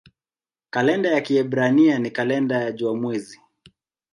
Kalenda ya Kiebrania ni kalenda jua-mwezi.